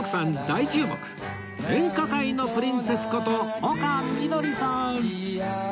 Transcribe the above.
大注目演歌界のプリンセスこと丘みどりさん